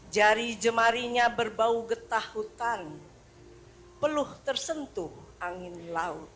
jari jemarinya berbau getah hutan peluh tersentuh angin laut